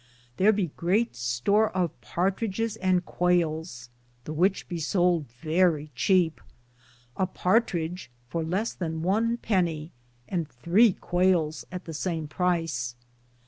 Thar be great store of partridgis and quales, the which be sould verrie cheape, a partridge for less than one pennye, and 3 quales at the same price.